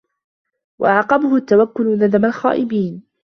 وَأَعْقَبَهُ التَّوَكُّلُ نَدَمَ الْخَائِبِينَ